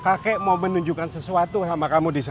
kakek mau menunjukkan sesuatu sama kamu disana